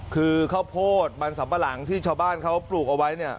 คือข้าวโพดมันสัมปะหลังที่ชาวบ้านเขาปลูกเอาไว้เนี่ย